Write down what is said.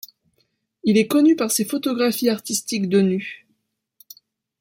Il est connu par ses photographies artistiques de nus.